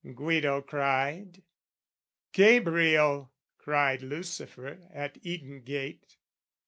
Guido cried: "Gabriel!" cried Lucifer at Eden gate.